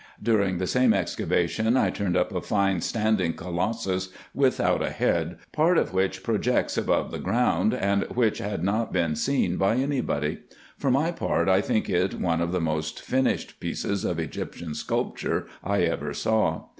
During the same excavation I turned up a fine standing colossus without a head, part of which projects above the ground, and which had not been seen by any body. For my part I think it one of the most finished pieces of Egyptian sculpture I ever saw.